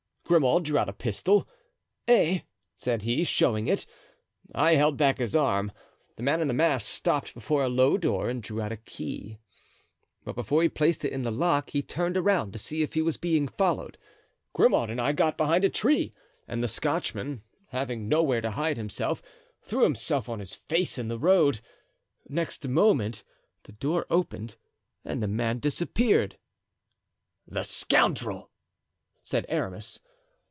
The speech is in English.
Grimaud drew out a pistol. 'Eh?' said he, showing it. I held back his arm. The man in the mask stopped before a low door and drew out a key; but before he placed it in the lock he turned around to see if he was being followed. Grimaud and I got behind a tree, and the Scotchman having nowhere to hide himself, threw himself on his face in the road. Next moment the door opened and the man disappeared." "The scoundrel!" said Aramis.